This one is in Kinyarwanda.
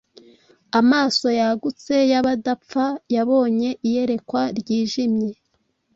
Amaso yagutse y’ Abadapfa Yabonye iyerekwa ryijimye